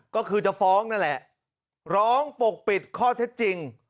ก็คือจะฟ้องนั่นแหละร้องปกปิดข้อเท็จจริง